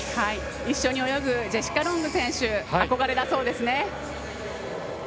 一緒に泳ぐジェシカ・ロング選手憧れだそうですね。